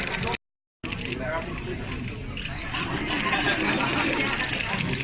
สวัสดีครับสวัสดีครับ